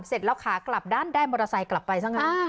เสร็จแล้วขากลับด้านได้มอเตอร์ไซค์กลับไปซะงั้น